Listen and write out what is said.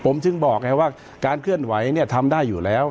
ผมถึงบอกไงว่าการเคลื่อนไหวเนี่ยทำได้อยู่แล้ว